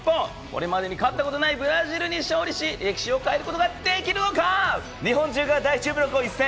これまでに勝ったことのないブラジルに勝利し、歴史を変えることができるの日本中が大注目の一戦。